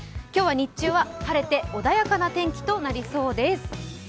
今日は日中は晴れて穏やかな天気となりそうです。